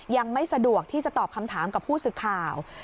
ยังไม่สะดวกที่จะตอบคำถามกับผู้สื่อข่าว